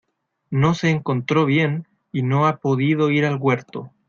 No se encontró bien y no ha podido ir al huerto.